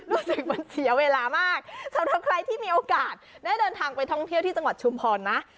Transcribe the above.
รู้สึกมันเสียเวลามากสำหรับใครที่มีโอกาสได้เดินทางไปท่องเที่ยวที่จังหวัดชุมพรนะ